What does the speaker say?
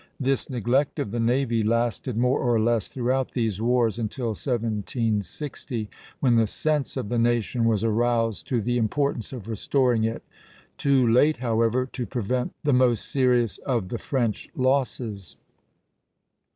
This neglect of the navy lasted more or less throughout these wars, until 1760, when the sense of the nation was aroused to the importance of restoring it; too late, however, to prevent the most serious of the French losses.